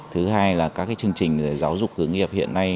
thứ hai là các chương trình giáo dục hướng nghiệp hiện nay